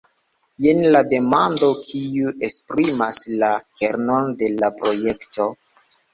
Jen la demando kiu esprimas la kernon de la projekto.